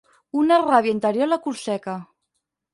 Una ràbia interior la corseca.